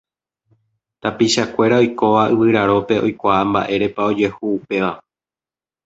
Tapichakuéra oikóva Yvyrarópe oikuaa mba'érepa ojehu upéva.